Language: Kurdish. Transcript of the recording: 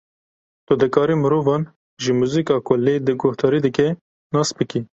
Tu dikarî mirovan ji muzîka ku lê guhdarî dike, nas bikî.